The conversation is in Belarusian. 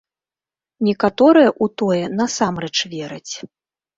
Некаторыя ў тое насамрэч вераць.